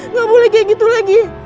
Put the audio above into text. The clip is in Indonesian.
nggak boleh kayak gitu lagi